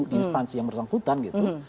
instansi yang bersangkutan gitu